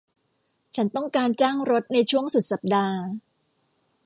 ฉันต้องการจ้างรถในช่วงสุดสัปดาห์